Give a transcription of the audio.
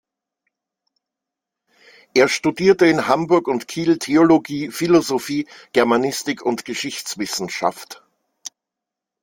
Er studierte in Hamburg und Kiel Theologie, Philosophie, Germanistik und Geschichtswissenschaft.